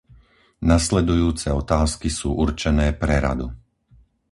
Nasledujúce otázky sú určené pre Radu.